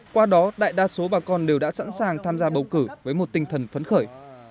qua đó đại đa số bà con đều đã sẵn sàng tham gia bầu cử với một tinh thần phấn khởi